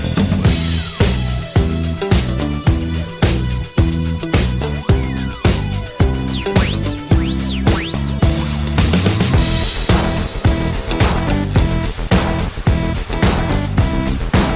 โปรดติดตามตอนต่อไป